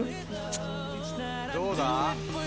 どうだ？